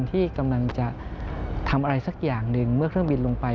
ที่กำลังจะทำอะไรสักอย่างหนึ่งเมื่อเครื่องบินลงไป